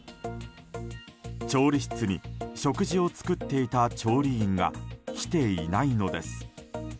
調理室に、食事を作っていた調理員が来ていないのです。